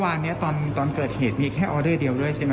แล้วเมื่อวานจุดเกิดเหตุมีแค่ออเดอร์เดียวด้วยใช่ไหม